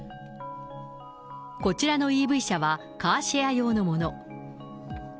こちらのＥＶ車はカーシェア用のもの。